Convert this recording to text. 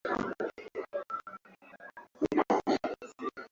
mazuri tunaona Waafrika mbalimbali katika taarifa za